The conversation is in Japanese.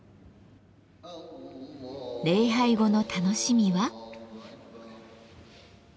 礼拝後の楽しみは？